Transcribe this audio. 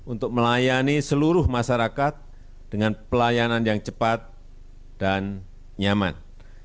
untuk melayani seluruh masyarakat dengan pelayanan yang cepat dan nyaman